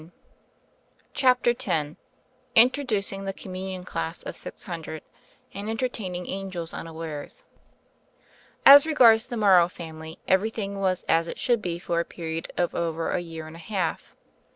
'* CHAPTER X INTRODUCING THE COMMUNION CLASS OF SIX HUNDRED, AND ENTERTAINING ANGELS UNAWARES AS REGARDS the Morrow family, every thing was as it should be for a period of over a year and a half.